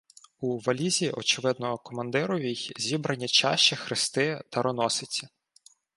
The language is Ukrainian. У валізі, очевидно командировій, — забрані чаші, хрести, дароносиці.